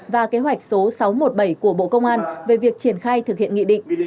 và kế hoạch số sáu trăm một mươi bảy của bộ công an về việc triển khai thực hiện nghị định